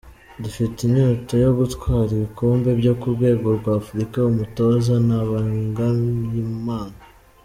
Dufite inyota yo gutwara ibikombe byo ku rwego rw’Afurika-Umutoza Ntabanganyimana.